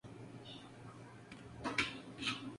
Participó en algunas películas.